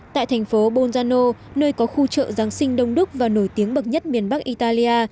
tại thành phố bolzano nơi có khu chợ giáng sinh đông đúc và nổi tiếng bậc nhất miền bắc italia